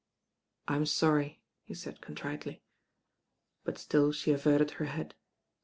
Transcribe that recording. "I'm sorry," he said contritely; but still she averted her head.